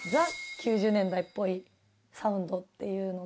９０年代っぽいサウンドっていうのが。